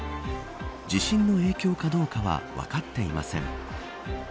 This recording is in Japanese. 地震の影響かどうかは分かっていません。